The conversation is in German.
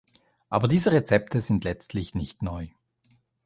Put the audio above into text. Aber diese Rezepte sind letztlich nicht neu.